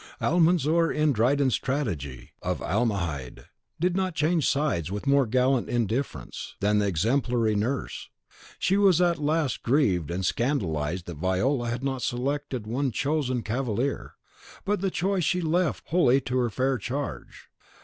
Almanzor, in Dryden's tragedy of "Almahide," did not change sides with more gallant indifference than the exemplary nurse. She was at last grieved and scandalised that Viola had not selected one chosen cavalier. But the choice she left wholly to her fair charge.